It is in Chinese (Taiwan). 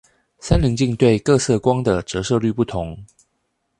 三稜鏡對各色光的折射率不同